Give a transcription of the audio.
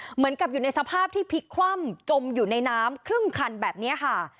เหมือนกับอยู่ในสภาพที่พลิกคว่ำจมอยู่ในน้ำครึ่งคันแบบนี้ค่ะ